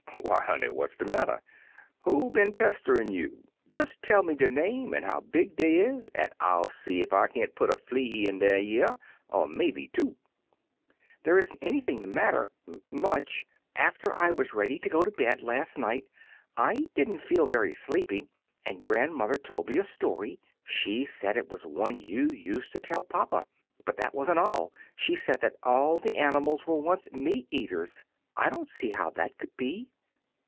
Why, hoaey, what*a de matter? Who been peaterin* you? Dea tell me der name, an' how big dey ia, an' Til aee ef I can^ put a flea in der y*ear — an* maybe two, ^^There ian*t anything the matter — much. After I waa ready to go to bed laat 8i Uncle Remus Returns night, I did n*t feel very sleepy, and grand mother told me a story. She said it was one you used to tell to papa. But that was n't all : she said that all the animals were once meat eaters. I don't see how that could be."